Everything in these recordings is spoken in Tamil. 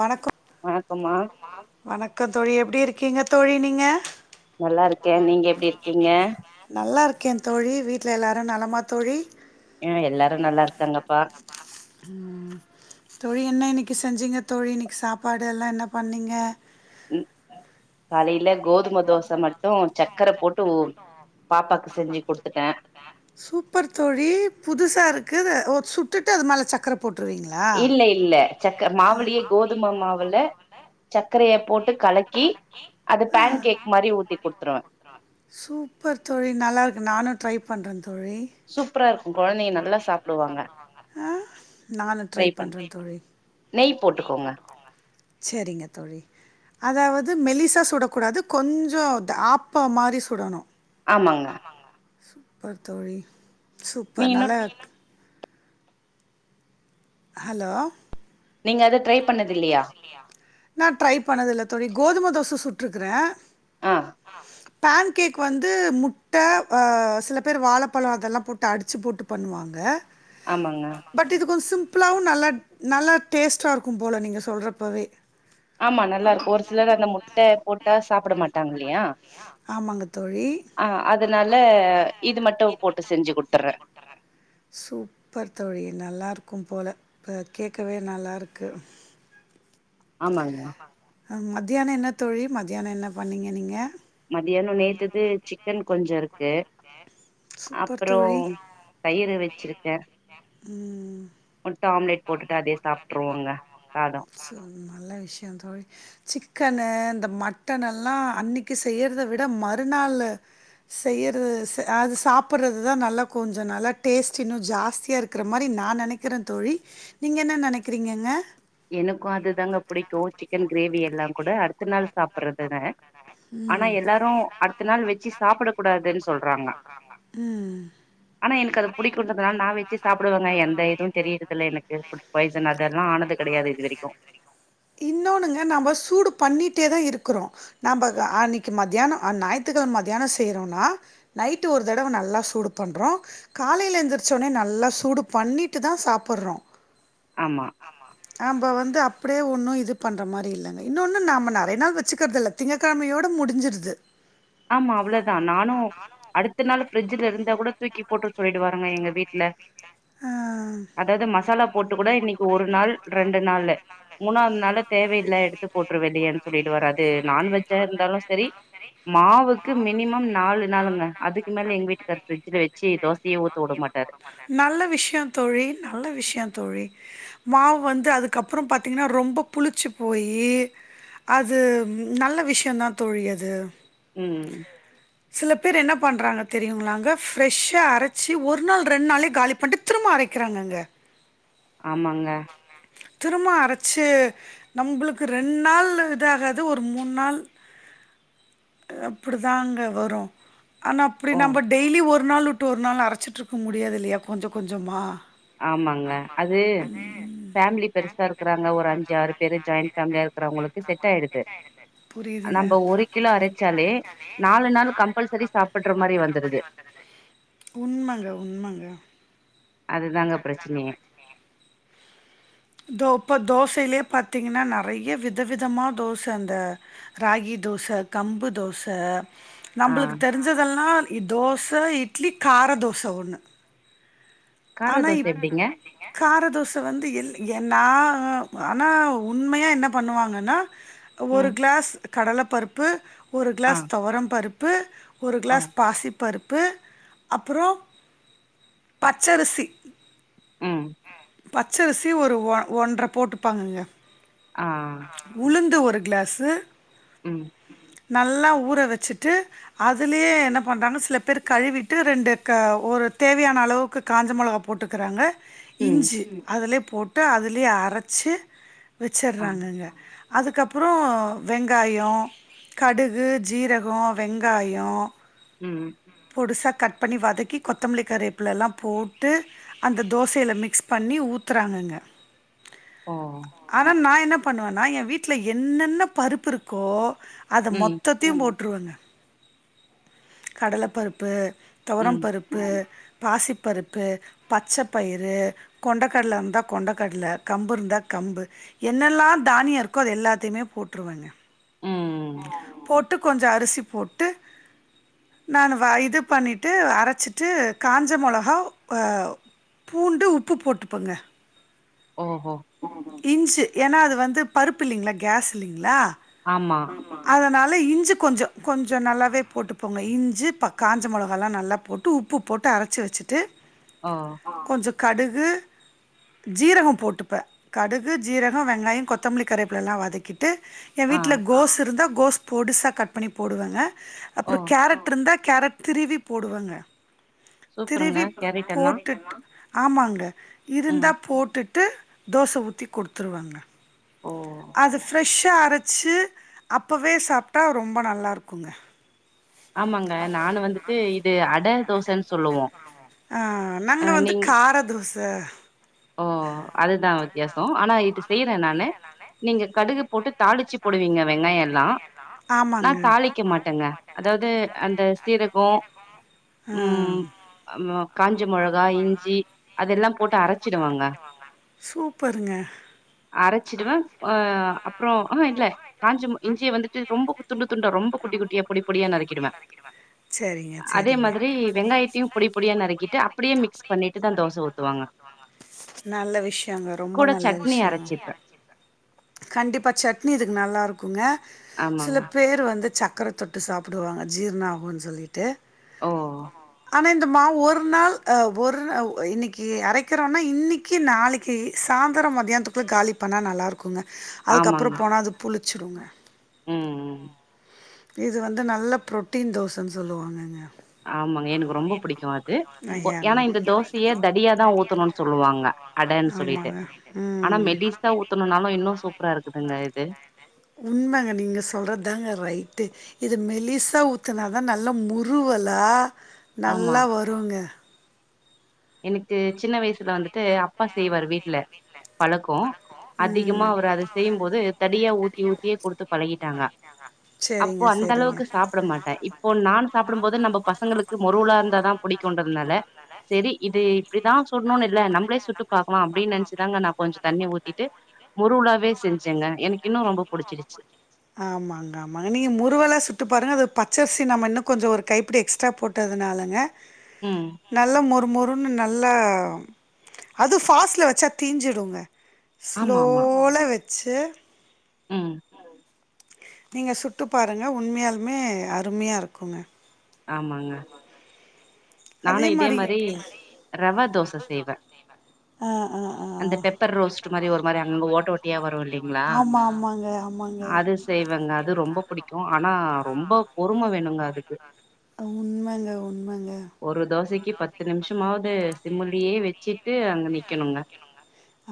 வணக்கம் வணக்கம்மா வணக்கம் தோழி எப்படி இருக் இருக்கீங்க தோழி நீங்க நல்லா இருக்கேன் நீங்க எப்படி இருக்கீங்க கேகன் தோழி வீட்ல எல்லாரும் நலமா தோழி ஆ எல்லாரு நல்லா இருக்காங்கப்பா தோழி என்ன செஞ்சிங்க தோழி இன்றைக்கி சாப்பாடுல்லாம் என்ன பண்ணிங்க ம் காலையில கோதும தோச மட்டு சக்கர போட்டு ஊ- பாப்பாக்கு செஞ்சு குடுத்துட்டே சூப்பர் தோழி புதுசா இருக்கு ஒ சுட்டுட்டு அது மேல சக்கர இல்ல இல்ல சக்கர மாவளி கோதும மாவுல சக்கரைய போட்டு கலக்கி அது ஆஹ் பேன் பான் மாரி கேக் ஊத்தி மாதிரி ஊட்டி குடுத்துருவே குடுத்துருவேன் சூப்பர் தோழி நல்லாருக்கு நானும் ட்ரை பண்றேன் பண்றன் சூப்பரா தோ இருக்கு கொழந்தைங்க நல்லா சாப்டுவாங்க ஹ நான் டரை ட்ரை பண்ணு பண்றேன் தோழி நெய் போட்டுங்கோங்க செரிங்க தோழி அதாவது மெலிசா சுடக்கூடாது கொஞ்சம் ஆப்ப மாரி சுடணும் ஆமாங்க சூப்பர் தோழி நீ சூப்பர் இன்னு நல்லா ஹலோ அத ட்ரை பண்ணது இல்லையா நா ட்ரை பண்ணது இல்ல தோழி கோதும தோச சுட்ருக்குறேன் ஆ ஆஹ் பேன் கேக் வந்து முட்ட சில பேர் வாழைப்பழம் அதெல்லாம் போட்டு அடிச்சீ போட்டு பண்ணுவாங்க ஆமாங்க பட் இது கொஞ் சி சிம்பலாவவும் நல்லா நல்லா டேஸ்ட்டாக இருக்கும் போல் நீங்க சொல்றப்பவே ஆமா நல்லா இருக்கும் ஒரு சிலர் அந்த முட்ட போட்டா சாப்பிட மாட்டாங்க இல்லையா ஆமாங்க தோழி ஆஹ் அதனால இது மட்டும் போட்டு செஞ்சு குடுத்துறேன் போல இப்ப கேட்கவே நல்லாருக்கு ஆமாங்க மத்தியானம் என்ன தோழி மத்தியானம் என்ன பண்ணிங்க நீங்க மதியானம் நேத்தது சிக்கன் கொஞ்சோ இருக்கு சூப்பர் அப்புறம் தோழி தயிறு வச்சிருக்கேன் ம்ம் முட்டை ஆம்லெட் போட்டுட்டு அதே சாப்பிட்டுருவோங்க சாதம் சோ நல்ல விஷயம் தோழி சிக்கனு இந்த மட்டன் எல்லாம் அன்னைக்கு செய்யறத விட மறுநாள் செய்யிறது அது சாப்பிட்றது தான் நல்லா கொஞ்சம் நல்லா டேஸ்ட் இன்னும் ஜாஸ்தியா இருக்கிற மாரி நான் நெனைக்கிறேன் தோழி நீங்கள் என்ன நெனைக்கிறீங்கங்க எனக்கும் அதுதாங்க புடிக்கும் சிக்கன் கிரேவி எல்லா கூட அடுத்த நாள் சாப்பிடுறதுத ஆனா ம் எல்லாரும் அடுத்த நாள் வச்சு சாப்பிட கூடாதுன்னு சொல்றாங்க ம் ஆனா எனக்கு அது புடிக்குறதுனால நான் வச்சு சாப்பிடுவாங்க எந்த இதுவும் தெரியறதில்ல எனக்கு ஃபுட் பாய்சன் அதெல்லாம் ஆனது கெடையாது இது வரைக்கு இன்னொன்னுங்க நம்ம சூடு பண்ணிட்டே தான் இருக்கிறோம் நாம அன்னைக்கு மத்தியானம் ஞாயிற்றுக்கிழமை மத்தியானம் செய்யிறோம்னா நைட்டு ஒரு தடவை நல்லா சூடு பண்றோம் காலையில எந்திரிச் உடனே நல்லா சூடு பண்ணிட்டு தான் சாப்பிடுறோம் ஆமா ஆம்ப வந்து அப் அப்டியே ஒன்னு இது பண்ற மாரி இல்லங்க இன்னொன்னு நம்ம நெறைய நாள் வச்சிக்றது இல்ல திங்கக்கிழமையோட முடிஞ்சிருது ஆமா அவ்ளோ தான் நானு அடுத்த நாள் பிரிட்ஜில இருந்த கூட தூக்கி போட்டு சொல்லிட்டு வாருங்க எங்க வீட்ல ஆ. அதாவது மசாலா போட்டு கூட இன்னைக்கு ஒரு நாள் ரெண்டு நாளு மூணாவது நாள் தேவயில்ல எடுத் போட்ரு வெளியன் சொல்லிட்டு வராது நா வெஜ்ஜா இருந்தாலு சரி மாவுக்கு மினிமம் நாலு நாளுங்க அதுக்கு மேல எங்க வீட்டுக்கார் ஃப்ரிட்ஜ்ல வச்சு தோசையே ஊத்த விட மாட்டாரு நல்ல விஷ்யம் தோழி நல்ல விஷ்யம் தோழி மாவு வந்து அதுக்கப்புறம் பாத்தீங்கன்னா ரொம்ப புளிச்சி போயி யி அது நல்ல விஷியம் தான் தோழி அது ம் சில பேர் என்ன பண்றாங்க தெரியுங்களாங்க ஃபிரஷ்ஷா அரச்சு ஒரு நாள் ரெண்டு நாளே காலி பண்ணிட்டு திரும்ப அரைக்கிறாங்கங்க ஆமாங்க திரும்பு அரச்சி நம்புளுக் ரெண்டு நாள் இதாகாது ஒரு மூணு நாள் அப்புடிதாங்க வரும் ஆனா அப்டி ஓ நம்ம டெய்லி ஒரு ஒரு நாள் உட்டு ஒரு நாள் அரைச்சிட்ருக்க முடியாது இல்லையா கொஞ்ச கொஞ்சமா ஆமாங்க அது ஃபேமிலி பெருசா இருக்கறாங்க ஒரு அஞ்சி ஆறு பேரு ஜாயிண்ட் ஃபேமி புரியிதுங்க நம்ப ஒரு கிலோ அரைச்சாலே நாலு நாள் கம்பல்சரி சாப்புட்ற மாரி வந்துருது உண்மங்க உண்மங்க அதுதாங்க பிரச்சனயே தோ இப்போ தோசையிலே பாத்தீங்கன்னா நறையா விதவிதமா தோச இந்த ராகி தோச கம்பு தோச ஆ நம்பளுக்கு தெரிஞ்சதெல்லாம் தோச தோ இட்லி கார தோச ஒன்னு கார ஆனா தோச இப் காரதோச எப்டிங்க காரதோச வந்து எள் என் நா ஆனா உண்மையா என்ன பண்ணுவாங்கன்னா ஒரு ம் கிளாஸ் கடல பருப் பு ஒரு ஆ கிளாஸ் தொவரம் பருப் பு ஒரு ஓ கிளாஸ் பாசி பருப்பு அப்புறம் பச்சரிசி ம் ம் பச்சரிசி ஒரு ஒ ஒன்றர போட்டுப்பாங்கங்க ஆ உளுந்து ஒ ஒரு கிளாஸு உம் நல்லா ஊற வச்சிட்டு அதுலயே என்ன பண்ணுறாங்க சில பேர் கழுவிட்டு ரெண்டு க ஒரு தேவையான அளவுக்கு காஞ்ச மிளகா போட்டுக்கிறாங்க ம் இஞ்சு அதுலயே போட்டு அதுலயே அரைச்சி ஆ வச்சிறுறாங்கங்க அதுக்கப்புறம் வெங்காயம் கடுகு ஜீரகம் வெங்காயம் ம் பொடுசா கட் பண்ணி வதக்கி கொத்தமல்லி கருவேப்பில எல்லா போட்டு அந்த தோசையில மிக்ஸ் பண்ணி ஊத்துறாங்கங்க ஓ ஆனால் நான் என்ன பண்ணுவேனா என் வீட்ல என்னென்ன பருப்பு இருக்கோ அது ம் மொத்தத்தையும் போட் விட்டுருவேங்க கடலைப்பருப்பு துவரம் ம் பருப்பு பாசிப்பருப்பு பச்சை பயிறு கொண்டக்கடலை இருந்தால் கொண்டக்கடலை கம்பு இருந்தா கம்பு என்னெல்லாம் தானியம் இருக்கோ அது எல்லாத்தையுமே போட்டுருவேங்க ம் போட்டு கொஞ்சம் அரிசி போட்டு நான் வ இது பண்ணிவிட்டு அரைச்சிட்டு காஞ்ச மிளகா ஆஹ பூண்டு உப்பு போட்டுப்பேங்க ஓஹோ ஓஹோ இஞ்சு ஏன்னா அது வந்து பருப்பு இல்லைங்களா கேஸ் இல்லைங்களா ஆமா அத நா எல்லாம் இஞ்சி கொஞ்சம் கொஞ்சம் நல்லாவே போட்டு போங்க இஞ்சி காஞ்ச மொளகால்லாம் நல்லா போட்டு உப்பு போட்டு அரைச்சி வச்சுட்டு ஓ கொஞ்சம் கடுகு ஜீரகம் போட்டு கடுகு ஜீரகம் வெங்காயம் கொத்தமல்லி கருவேப்பல எல்லாம் வதக்கிட் ட்டு என் ஆ வீட்ல கோஸ்ஸு இருந்தா கோஸ் பொடுசா கட் பண்ணி போடுவேங்க ஓ அப்றம் கேரட் இருந்தா கேரட் திருவி போடுவங்க சூப்பருங்க திருவி கேரட் எல்லா போட்டுட்டு ஆமாங்க ம் இருந்தா போட்டுட் ட்டு தோசை ஊத்தி குடுத்துருவங்க ஓ அது ஃப்ரெஷ்ஷா அரைச்சு அப்பவே சாப்டா ரொம்ப நல்லா இருக்கும்ங்க ஆமாங்க நானு வந்துட்டு இது அட தோசன்னு சொல்லுவோ ஆஹ் நாங்க ஆ வந்து நீங் கார தோசை ஆஹ் ஓ அதுதான் வித்தியாசம் ஆனா இது செய்றேன் நானு நீங்க கடுகு போட்டு தாளிச்சு தாளிச்சி போடுவீங்க வெங்காயோ போடுவேங்க எல்லா வெங்காயம் எல்லாம் ஆமாங்க தாளிக்க மாட்டேங்க அதாவது அந்த சீரகம் ஆஹ் ம் ஆமா காஞ்ச மிளகா இஞ்சி அதெல்லாம் போட்டு அரை வாங்க சூப்பருங்க அரைச்சிடுவேன் அப்புறம் ஹம் இல்ல காஞ்சம இஞ்சிய வந்துட்டு ரொம்ப [unintelligible] ரொம்ப குட்டி குட்டியா பொடி பொடியா நறுக்கிடுவேன் சரிங்க அதே சரிங்க மாதிரி வெங்காயத்தையும் பொடி பொடியா நறுக்கிட்டு அப்படியே மிக்ஸ் பண்ணிட்டுதான் தோசை ஊத்துவாங்க நல்ல விஷயங்க ரொம்ப கூட நல்ல சட்னி விஷயங்க அரச்சிப்ப கண்டிப்பா சட்னி இதுக்கு நல்லா ருக்குங்க சில ஆமாங்க பேர் வந்து சக்கரை தொட்டு சாப்பிடுவாங்க ஜீர்ணமாகும் சொல்லிட்டு ஓ ஆனால் இந்த மாவு ஒரு நாள் ஒரு நா இன்னைக்கி அரைக்கிறோன்னா இன்னைக்கி நாளைக்கு சாந்திரம் மதியானத்துக்குள்ள காலி பண்ணா நல்லாருக்கும் குங்க ஆமாங்க அதுக்கப்புறம் போனா அது புளிச் வச்சுடுவோங்க ம் ம் இது வந்து நல்ல பு்ரோட்டீன் தோச சொல்லுவாங்கங்க [unintelligible] ஆமாங்க எனக்கு ரொம்ப புடிக்கு அது ஒ ஏன்னா இந்த தோசைய தடியா தா ஊத்தணுனு சொல்லுவாங்க அடன்னு சொல்லிட்டு ஆமாங்க ஆனா ம் மெலிசா ஊத்தணுனாலு இன்னு சூப்பரா இருக்குதுங்க இது உண்மங்க நீங்க சொல்றது ரைட்டு இது மெலிசா ஊத்தூனா ஆனா நல்ல முருவலா ஆமா நல்லா வருங்க எனக்கு சின்ன வயசுல வந்துட்டு அப்பா செய்வாரு வீட்டுல பழக்கம் ம் அதிகமா அவர் அத செய்யும்போது தடியா ஊத்தி ஊத்தியே குடுத்து பழகிட்டாங்க அப்போ சரிங்க அந்த சரிங்க அளவுக்கு சாப்பட மாட்டேன் இப்போ நான் சாப்படும் போது நம்ம பசங்களுக்கு முருவுளா இருந்தாதான் பிடிக்கும்ன்றதுனால செரி இது இப்டிதான் சொல்லணும்னு இல்ல நம்மளே சுட்டு பாக்கலாம் அப்டின்னு நினைச்சுதாங்க நான கொஞ்சம் தண்ணி ஊத்திட்டு முருளாவே செஞ்சேங்க எனக்கு இன்னும் ரொம்ப புடிச்சிருச்சு ஆமாங்க ஆமாங்க நீங்க முருவலா சுட்டு பாருங்க அது பச்சரிசி நம்ம இன்னும் கொஞ்சம் ஒரு கைப்பிடி எக்ஸ்ட்ரா போட்டதுனாலங்க ம் நல்ல மொறு மொறு அது நல்லா அதுவும் ஃபாஸ்டில வச்சா தீஞ்சிடுங்க ஆமா ஆமா ஸ்லோல செ ம் நீங்க சுட்டு பாருங்க உண்மயாலுமே அருமையா இருக்குங்க ஆமாங்க நானும் இதே மாரி ரவா தோச செய்வேன் ஆ, ஆ, ஆ. அந்த பெப்பர் ரோஸ்ட் மாரி ஒரு மாரி அங்கங்க ஓட்ட ஓட்டியா வரும் இல்லங்களா ஆமா, இல்லைங்களா? ஆமாங்க, ஆமாங்க. அது செய்வேங்க அது ரொம்ப பிடிக்கும் ஆனா ரொம்ப பொறுமை வேணுங்க அது உண்மங்க, உண்மங்க. [inaudible] ஒரு தோசைக்கு பத்து நிமிஷமாவது சிம்முலியே வச்சு ட்டு அங்க நிக்கணுங்க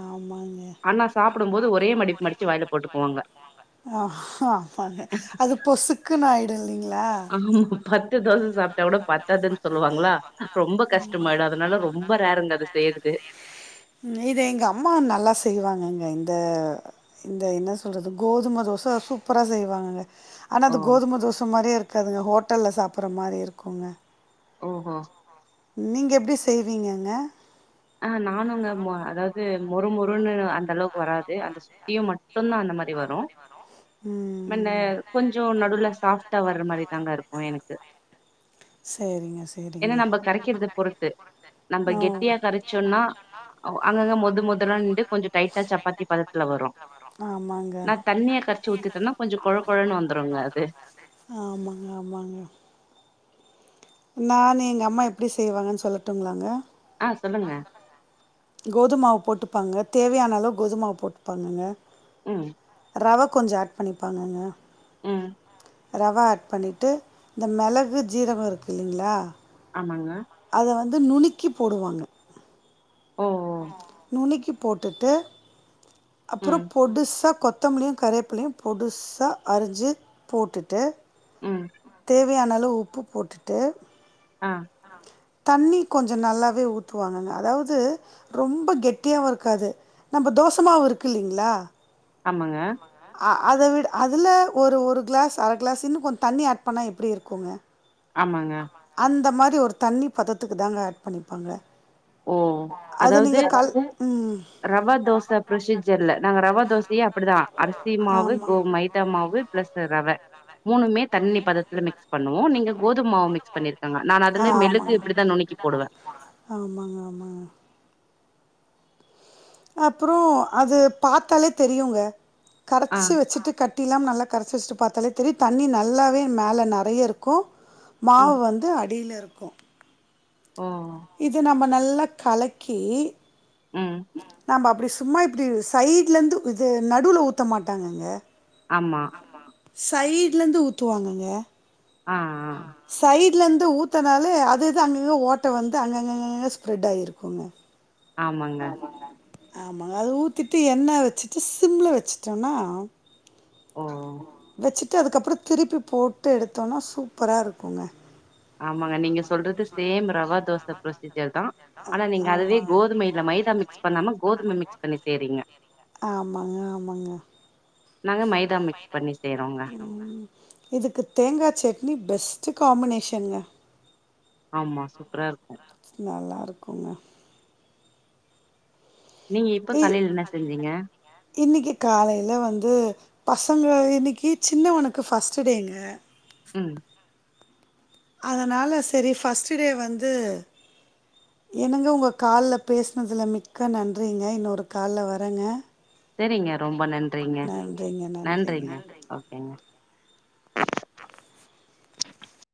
ஆமாங்க ஆனா சாப்பிடும்போது ஒரே மடிப்பு மடிச்சு வாயில போட்டுக்குவாங்க. அது பொசக்குனு ஆமா பத்து தோச சாப்பட்டா கூட பத்தாதுன்னு சொல்லுவாங்களா ரொம்ப கஷ்டமாயிடும் அதனால ரொம்ப ரேருங்க அதது செய்யறது ம் இத எங்க அம்மா நல்லா செய்வாங்கங்க இந்த இந்த என்ன சொல்கவிறது கோதும தோச சூப்பராக செய்வாங்கங்க ஆனா ஓ! அது கோதும தோச மாரிய இருக்கு கதுங்க ஹோட்டல் சாப்பட்ற மாரி இருக்குங்க ஓஹோ நீங்க எப்டி செய்வீங்கங்க அ நானும்ங்க அதாவது முொறு மொருன்னு அந்த அளவுக்கு வராது அந்த சுத்தியும் மட்டும் சொன்னா அந்த மாரி வரும் பின்ன ம். கொஞ்சம் நடுல சாஃப்டா வர்ற மாரி தாங்க இருக்கும் எனக்கு சரிங்க, ஏன்னா சரிங்க. நம்ப கரக்கிறது பொறுத்து நம்ப ஓ. கெட்டியா நம்ம கரைச் அ அங்கங்க மத முதல்லா நின்று கொஞ்சம் டைட்டா சப்பாத்தி பதத்துல வரும் நான ஆமாங்க. தண்ணிய கர்ச்சு ஊத் என்னா கொஞ்சம் குழ குழன்னு வந்துருங்க அது ஆமாங்க நான நீ எங்க அம்மா எப்டி செய்வாங்கன்னு சொல்லட்டுங்களாங்க ஆஹ் சொல்லுங்க கோதுமாவு போட்டுப்பாங்க தேவையான அளவு கோதுமாவு போட்டுப்பாங்கங்க உம் ரவ கொஞ்ச ஆட் பண்ணிப்பாங்கங்க உம் ரவா ஆட் பண்ணிட்டு இந்த மெளகு ஜீரகோ இருக்கு இல்லைங்களா ஆமாங்க அத வந்து நுணுக்கி போடுவாங்க ஓ ஓ நுனுக்கி போட்டுட்டு அப்புறோ ம் பொடுசா கொத்தமல்லியு கருவேப்பிலயு பொடுசா அரிஞ்சு போட்டுட்டு ம் தே வையான அளவு உப்பு போட்டுட்டு ஆ தண்ணி கொஞ்ச நல்லாவே ஊத்துவாங்கங்க அதாவது ரொம்ப கெட்டியாவு இருக்காது நம்ம தோசமாவு இருக்கு இல்லைங்களா ஆமாங்க ஆ அத விட அதல ஒரு ஒரு கிளாஸ் அரை கிளாஸ் இன்னு கொஞ்ச தண்ணி ஆட் பண்ணா எப்டி இருக்குங்க ஆமாங்க ரி ஒரு தண்ணி பதத்துக்குதாங்க ஆட் பண்ணிப்பாங்க ஓ அது அதாவது நீங்க கல் அதாவது ம். ரவ தோச புரொசிஜர்ல நாங்க ரவா தோசையே அப்படிதா அரிசி மாவு கோ மைதா மாவு பிளஸ் ரவை மூணுமே தண்ணி பதத்துல மிக்ஸ் பண்ணுவோ நீங்க கோதும மாவ மிக்ஸ் பண்ணிரு க்கங்க நா ஆ அதுல நான் ஆமாங்க. மெளகு அதெல்லாம் இப்பிடிதா வெள்ளத்தை நுனுக்கி இப்படிதான் போடுவே நுணுக்கி போடுவேன். ஆமாங்க ஆமாங்க அப்புறோ அது பாத்தாலே தெரியுங்க ஆ கரைச்சு வச்சுட்டு கட்டி இல்லாம நல்லா கரைச்சு வச்சுட்டு பாத்தாலே தெரியு தண்ணி நல்லாவே மேல நெறைய இருக்கு மாவு ம் வந்து அடியில இருக் கு ஓ இது நம்ம நல்லா கலக்கி உம் நாம அப்டி சும்மா இப்டி சைட்லேருந்து இது நடுவுல ஊத்த மாட்டாங்கங்க ஆமா சைடுல இருந்து ஊத்துவாங்கங்க ஆ சைடுல இருந்து ஊத்தனாலே அது அது அங்கங்க ஓட்டை வந்து அங்கங்கங்க ஸ்ப்ரெட் ஆயிருக்குங்க ஆமாங்க ஆமாங்க அது ஊத்திட்டு எண்ணெ வச்சுட்டு சிம்ல வச்சுட்டோம்னா ஓ வச்சுட்டு அதுக்கப்றோ திருப்பி போட்டு எடுத்தோம்னா சூப்பரா இருக்குங்க ஆமாங்க நீங்க சொல்றது சேம் ரவா தோசை ப்ரொசீஜர் தான் ஆனா நீங்க அதுவே ஆமா கோதுமையில மைதா மிக்ஸ் பண்ணாம கோதுமை மிக்ஸ் பண்ணி செய்றீங்க ஆமாங்க ஆமாங்க நாங்க மைதா மிக்ஸ் பண்ணி செய்றோங்க இதுக்கு தேங்காய் சட்னி பெஸ் ட் காம்பினேஷன்ங்க ஆமா சூப்பரா இருக்கும் நல்லா இருக்குங்க நீங்க இப்ப காலைல என்ன செஞ்சீங்க இன்னைக்கு காலையில வந்து பசங்க இன்னக்கி சின்னவனுக்கு ஃபர்ஸ்ட்டு டேங்க உம் அதனால சரி ஃபர்ஸ்ட்டு டே வந்து என்னங்க உங்க கால்ல பேசுனதில மிக்க நன்றிங்க இன்னொரு கால்ல வரேங்க சரிங்க ரொம்ப நன்றிங்க நன்றிங்க ஓகேங்க [unintelligible]